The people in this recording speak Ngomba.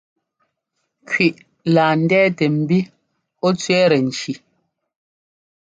Kẅiʼ laa ndɛ́tɛ mbí ɔ́ cẅɛ́tɛ nki.